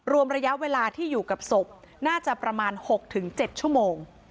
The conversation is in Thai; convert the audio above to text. รวมระยะเวลาที่อยู่กับศพน่าจะประมาณ๖๗ชั่วโมง